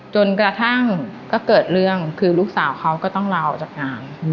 จนกระทั่งก็เกิดเรื่องคือลูกสาวเขาก็ต้องลาออกจากงาน